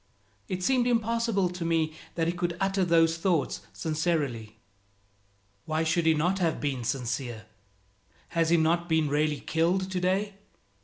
It seemed impossible to me that he could utter those thoughts sincerely. Why should he not have been sincere? Has he not been really killed today?